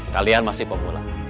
kalian masih pemula